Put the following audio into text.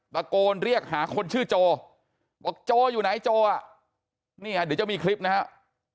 ตะโกนเรียกหาคนชื่อโจบอกโจอยู่ไหนโจอ่ะเนี่ยเดี๋ยวจะมีคลิปนะครับ